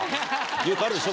よくあるでしょ？